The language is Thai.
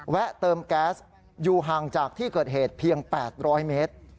เติมแก๊สอยู่ห่างจากที่เกิดเหตุเพียง๘๐๐เมตร